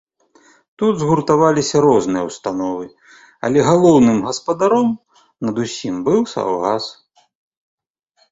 Тут згуртаваліся розныя ўстановы, але галоўным гаспадаром над усім быў саўгас.